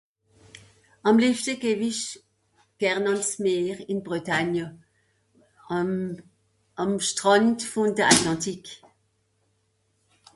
àm leevti geh isch gern ans Meer ìn Bretagne euh àm Strànd von de Atlantique